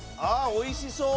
おいしそう」